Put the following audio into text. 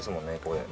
これ。